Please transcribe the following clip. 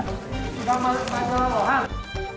tidak mengalami kegiatan